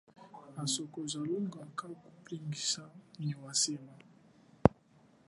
Asoko ja lunga kakupindjisa nyi wa semene.